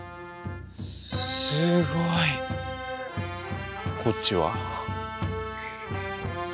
すごい。こっちは？